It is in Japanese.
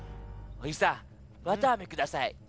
おじさんわたあめください。